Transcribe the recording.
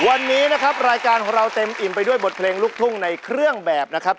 วันนี้นะครับรายการของเราเต็มอิ่มไปด้วยบทเพลงลูกทุ่งในเครื่องแบบนะครับ